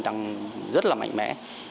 tăng rất là mạnh mẽ